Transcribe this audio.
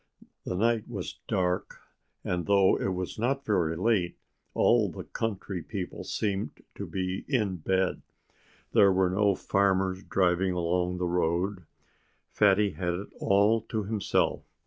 The night was dark and though it was not very late, all the country people seemed to be in bed. There were no farmers driving along the road. Fatty had it all to himself.